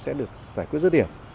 sẽ được giải quyết rứa điểm